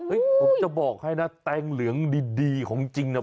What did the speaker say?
ผมจะบอกให้นะแตงเหลืองดีของจริงเนี่ย